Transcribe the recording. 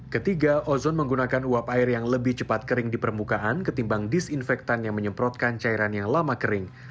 ketiga ozon menggunakan uap air yang lebih cepat kering di permukaan ketimbang disinfektan yang menyemprotkan cairan yang lama kering